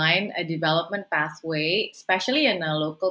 jalan kekembangan terutama di konteks lokal